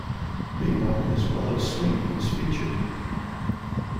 Bebop as well as swing was featured.